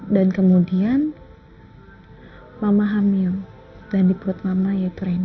dan kemudian mama hamil dan dibuat mama yaitu rena